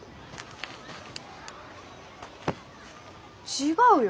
違うよ